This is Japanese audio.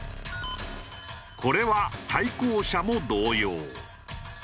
これは対向車も同様。